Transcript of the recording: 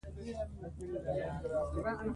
د امريکې پاليسي هم دا وه